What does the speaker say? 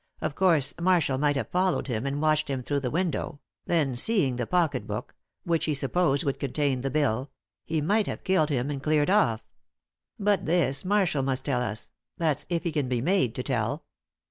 Of course, Marshall might have followed him and watched him through the window; then seeing the pocket book which he supposed would contain the bill he might have killed him and cleared off. But this Marshall must tell us; that's if he can be made to tell."